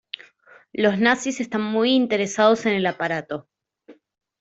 Los nazis están muy interesados en el aparato.